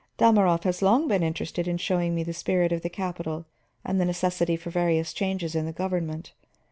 "Dalmorov has long been interested in showing me the spirit of the capital and the necessity for various changes in the government.